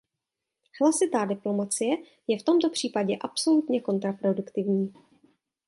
Hlasitá diplomacie je v tomto případě absolutně kontraproduktivní.